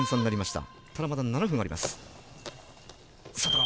ただ、まだ７分あります。